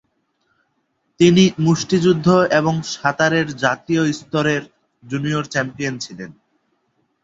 তিনি মুষ্টিযুদ্ধ এবং সাঁতারের জাতীয় স্তরের জুনিয়র চ্যাম্পিয়ন ছিলেন।